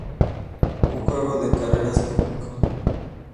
Un juego de carreras cómico.